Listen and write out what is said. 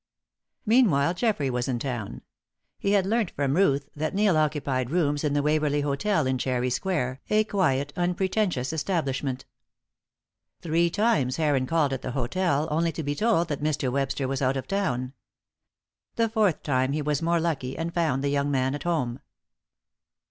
Meanwhile Geoffrey was in town. He had learnt from Ruth that Neil occupied rooms in the Waverley Hotel in Cherry square, a quiet, unpretentious establishment. Three times Heron called at the hotel, only to be told that Mr. Webster was out of town. The fourth time he was more lucky and found the young man at home.